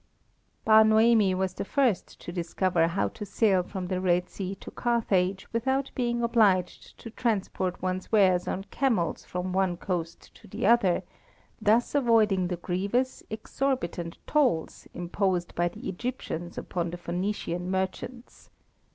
Bar Noemi was the first to discover how to sail from the Red Sea to Carthage without being obliged to transport one's wares on camels from one coast to the other, thus avoiding the grievous, exorbitant tolls imposed by the Egyptians upon the Phœnician merchants.